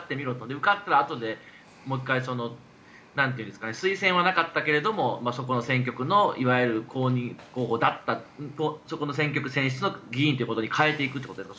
受かったら、あとでもう１回推薦はなかったけれどもそこの選挙区のいわゆる公認候補だったそこの選挙区選出の議員に変えていくということですか？